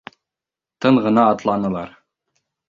Тын ғына атланылар.